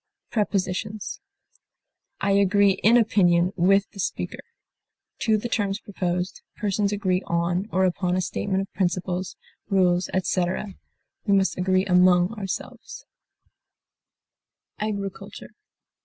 Prepositions: I agree in opinion with the speaker; to the terms proposed; persons agree on or upon a statement of principles, rules, etc.; we must agree among ourselves. AGRICULTURE.